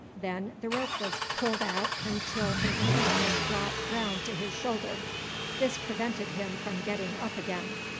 Then the rope was pulled at until his head was brought round to his shoulder. This prevented him from getting up again.